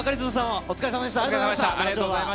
お疲れさまでした。